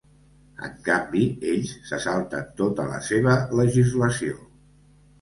En canvi, ells se salten tota la seva legislació.